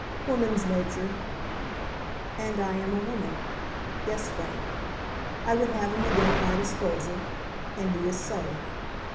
"Woman's nature." "And I am a woman. Yes, Frank. I would have him again at my disposal, and he is so.